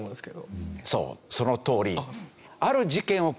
そうそのとおり。